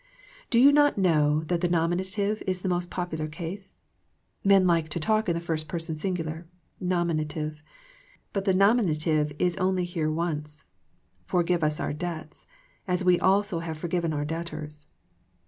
Do you not know that the nominative is the most popular case. Men like to talk in the first person singular, nominative ; but the nominative is only here once. " Forgive us our debts, as we also have forgiven our debt ors."